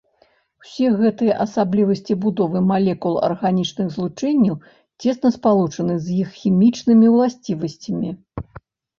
Усе гэтыя асаблівасці будовы малекул арганічных злучэнняў цесна спалучаныя з іх хімічнымі ўласцівасцямі.